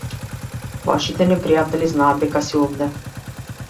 Вашите непријатели знаат дека си овде.